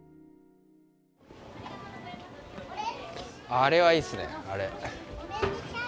あれはいいっすねあれ。